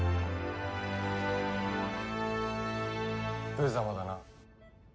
無様だな。